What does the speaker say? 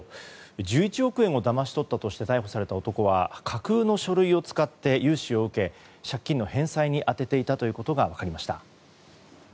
１１億円をだまし取ったとして逮捕された男は架空の書類を使って融資を受け借金の返済に充てていたことが分かりました。